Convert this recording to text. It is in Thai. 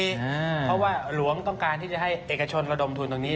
เพราะว่าหลวงต้องการที่จะให้เอกชนระดมทุนตรงนี้